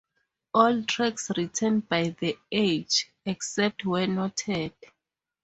All tracks written by The Edge except where noted.